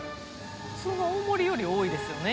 普通の大盛りより多いですよね